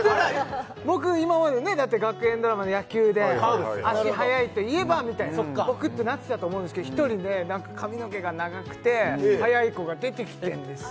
僕今までねだって学園ドラマで野球で足速いといえばみたいな僕ってなってたと思うんですけど１人ね何か髪の毛が長くて速い子が出てきてんですよ